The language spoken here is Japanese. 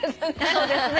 そうですね。